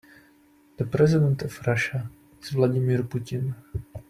The president of Russia is Vladimir Putin.